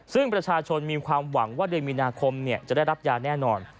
ซึ่งประชาชนมีความหวังว่าเดือนมีนาคมจะได้รับยาแน่นอน